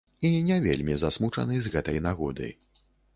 І не вельмі засмучаны з гэтай нагоды.